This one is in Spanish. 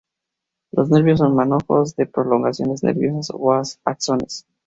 Los nervios son manojos de prolongaciones nerviosas o axones.